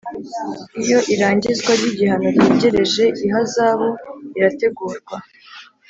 Iyo irangizwa ry igihano ryegereje ihazabu irategurwa